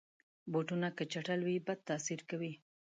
بوټونه که چټل وي، بد تاثیر کوي.